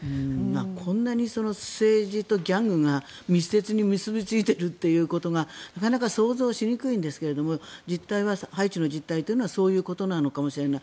こんなに政治とギャングが、密接に結びついているということがなかなか想像しにくいんですがハイチの実態というのはそういうことなのかもしれない。